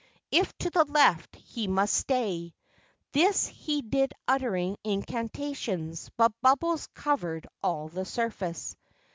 If to the left, he must stay." This he did uttering incantations, but bubbles covered all the surface.